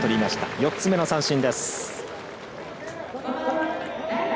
４つ目の三振です。